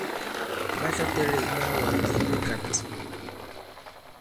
Ɓa ta tɛ̄lɛ̄ iɓaawàgà je ipɛ kāt.